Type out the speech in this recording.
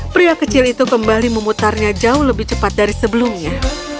pria kecil itu kembali memutarnya jauh lebih cepat dari sebelumnya